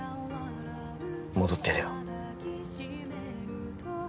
戻ってやれよ